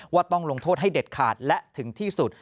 ต้องลงโทษให้เด็ดขาดและถึงที่สุด